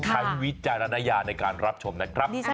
วิจารณญาณในการรับชมนะครับ